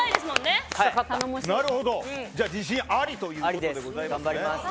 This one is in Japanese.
じゃ自信ありということでございますね。